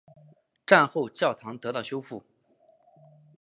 战后教堂得到修复。